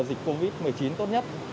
dịch covid một mươi chín tốt nhất